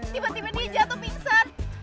tiba tiba dia jatuh pingsan